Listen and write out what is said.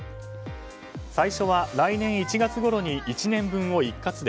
最初は来年１月ごろに１年分を一括で。